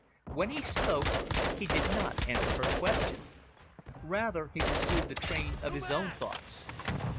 When he spoke, he did not answer her question. Rather, he pursued the train of his own thoughts.